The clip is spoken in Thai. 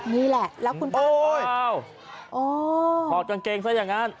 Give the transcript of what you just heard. นี่แหละแล้วคุณพ่อถอดกางเกงซะอย่างนั้น